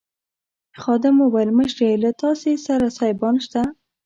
خادم وویل مشرې له تاسي سره سایبان شته.